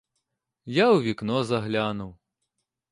Я у вікно заглянув.